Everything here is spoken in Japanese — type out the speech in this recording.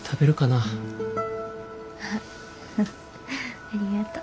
ありがとう。